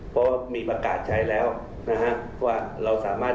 เพราะว่ามีประกาศใช้แล้วนะฮะว่าเราสามารถ